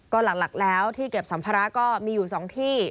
ก็หลักแล้วที่เก็บสัมภาระก็มีอยู่๒ที่